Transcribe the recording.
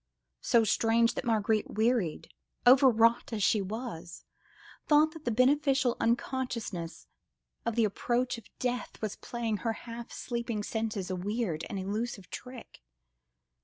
So strange, that Marguerite, wearied, overwrought as she was, thought that the beneficial unconsciousness of the approach of death was playing her half sleeping senses a weird and elusive trick.